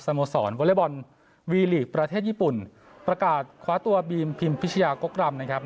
โมสรวอเล็กบอลวีลีกประเทศญี่ปุ่นประกาศคว้าตัวบีมพิมพิชยากกรำนะครับ